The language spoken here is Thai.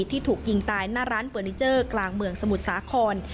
ที่ถูกยิงตายหน้าร้านเฟอร์นิเจอร์กลางเมืองสมุทรสาคร